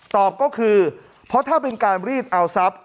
ตอบก็คือเพราะถ้าเป็นการรีดเอาทรัพย์